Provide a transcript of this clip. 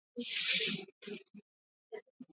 meneja roy hudson kuimarisha klabu hiyo